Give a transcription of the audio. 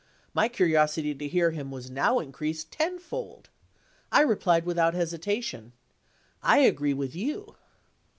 My curiosity to hear him was now increased tenfold. I replied without hesitation: "I agree with you."